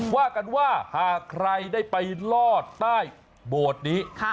ว่ากันว่าหากใครได้ไปลอดใต้โบสถ์นี้